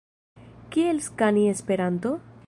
Kiel skani Esperanton?